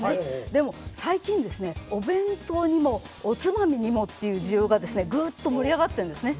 でも、最近お弁当にもおつまみにもっていう需要がぐっと盛り上がっているんですね。